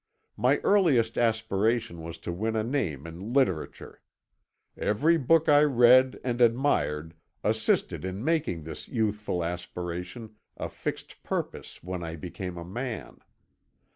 "My earliest aspiration was to win a name in literature. Every book I read and admired assisted in making this youthful aspiration a fixed purpose when I became a man.